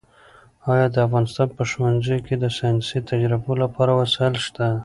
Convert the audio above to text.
ایا د افغانستان په ښوونځیو کې د ساینسي تجربو لپاره وسایل شته؟